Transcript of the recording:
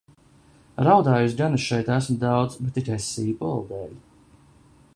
Raudājusi gan es šeit esmu daudz, bet tikai sīpolu dēļ.